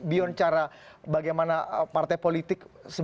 beyond cara bagaimana partai politik